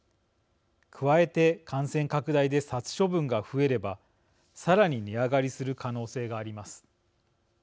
加えて感染拡大で殺処分が増えればさらに値上がりする可能性があります。